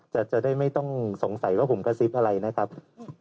จะได้ไม่ต้องสงสัยว่าผมกระซิบอะไรนะครับ